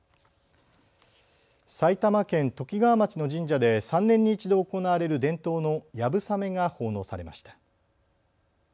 埼玉県ときがわ町の神社で３年に１度行われる伝統の流鏑馬が奉納されました。